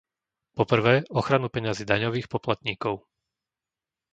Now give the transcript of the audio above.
po prvé, ochranu peňazí daňových poplatníkov;